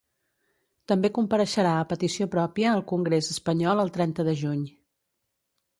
També compareixerà a petició pròpia al congrés espanyol el trenta de juny.